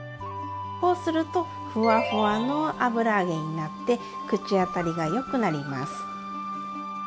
こうするとふわふわの油揚げになって口当たりがよくなります。